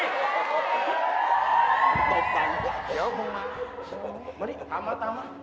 หรือหลายอะไร